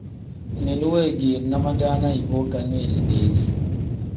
Ngmiilu weegeerina madaana ibo ikangmiili deeli.